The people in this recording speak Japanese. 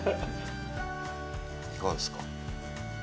いかがですか？